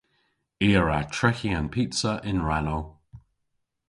I a wra treghi an pizza yn rannow.